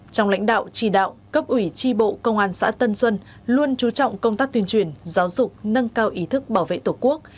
trong lãnh đạo trì đạo cấp ủy tri bộ công an xã tân xuân luôn chú trọng công tác tuyên truyền giáo dục nâng cao ý thức bảo vệ tổ quốc